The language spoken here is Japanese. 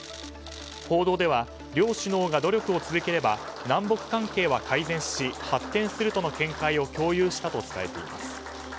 報道では両首脳が努力を続ければ南北関係は改善し発展するとの見解を共有したと伝えています。